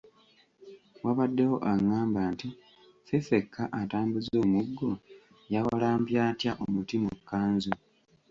Wabaddewo angamba nti Ffeffekka atambuza omuggo yawalampye atya omuti mu kkanzu.